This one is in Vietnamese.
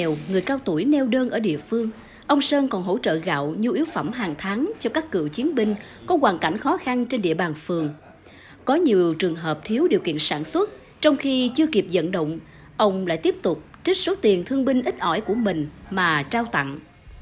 để người cao tuổi neo đơn ở địa phương ông sơn còn hỗ trợ gạo nhu yếu phẩm hàng tháng cho các cựu chiến binh có hoàn cảnh khó khăn trên địa bàn phường có nhiều trường hợp thiếu điều kiện sản xuất trong khi chưa kịp dẫn động ông lại tiếp tục trích số tiền thương binh ít ỏi của mình mà trao tặng